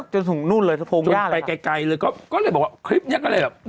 จนถึงนู้นเลยจนถึงไปไกลไกลเลยก็ก็เลยบอกว่าคลิปเนี้ยก็เลยแบบ